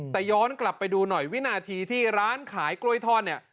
แต่ย้อนกลับไปดูหน่อยวินาทีที่ร้านขายกล้วยทอดเนี่ย